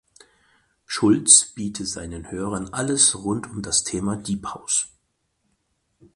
Schulz biete seinen Hörern alles rund um das Thema Deep House.